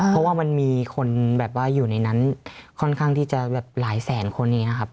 เพราะว่ามันมีคนแบบว่าอยู่ในนั้นค่อนข้างที่จะแบบหลายแสนคนอย่างนี้ครับ